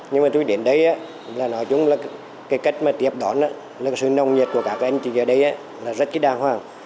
nhưng mà tôi đến đây là nói chung là cái cách mà tiếp đón là sự nồng nhiệt của các anh chị ở đây là rất đa hoàng